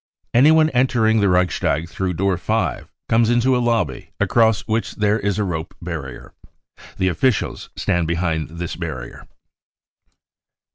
Anyone entering the Reichstag through door 5 comes into a lobby across which there is^a rope barrier. The officials stand behind this barrier.